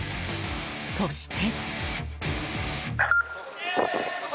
そして。